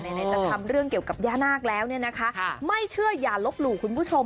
ไหนจะทำเรื่องเกี่ยวกับย่านาคแล้วเนี่ยนะคะไม่เชื่ออย่าลบหลู่คุณผู้ชม